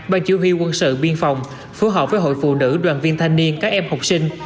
bang chỉ huy quân sự biên phòng phố họp với hội phụ nữ đoàn viên thanh niên các em học sinh